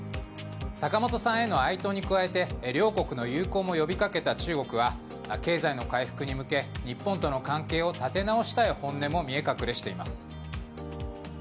坂本さんへの哀悼に加えて両国の友好も呼びかけた中国は経済の回復に向け日本との関係を立て直したい本音も見え隠れしています。